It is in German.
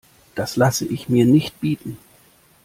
Das lasse ich mir nicht bieten!